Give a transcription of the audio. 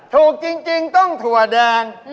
ถูกจริงต้องถั่วแดง